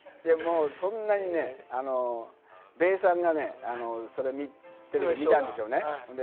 そんなにね、べーさんがね、それ見て、テレビ見たんでしょうね。